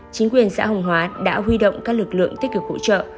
chính quyền xã hồng hóa đã huy động các lực lượng tích cực hỗ trợ